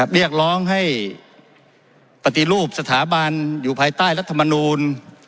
เรียกร้องให้ปฏิรูปสถาบันอยู่ภายใต้รัฐมนูล